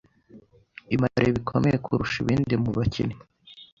ibyamamare bikomeye kurusha ibindi mu bakinnyi